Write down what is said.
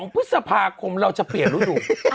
พฤษภาคมเราจะเปลี่ยนฤดู